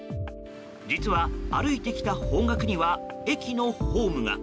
実は歩いてきた方角には駅のホームが。